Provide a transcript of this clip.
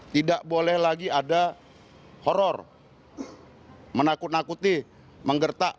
tidak boleh lagi ada horror menakut nakuti menggertak